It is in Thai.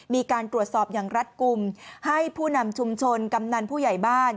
มีการตรวจสอบอย่างรัฐกลุ่มให้ผู้นำชุมชนกำนันผู้ใหญ่บ้าน